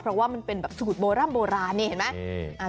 เพราะว่ามันเป็นแบบสูตรโบร่ำโบราณนี่เห็นไหม